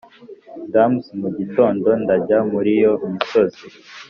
damas, mugitondo ndajya muriyo misozi